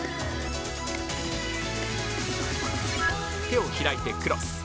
手を開いてクロス